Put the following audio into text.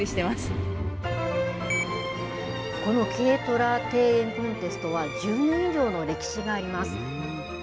この軽トラ庭園コンテストは１０年以上の歴史があります。